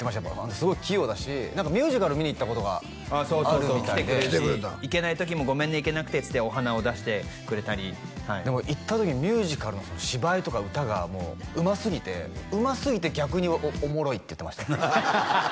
すごい器用だし何かミュージカル見に行ったことがあるみたいで行けない時もごめんね行けなくてってお花を出してくれたりでも行った時ミュージカルの芝居とか歌がうますぎてうますぎて逆におもろいって言ってましたね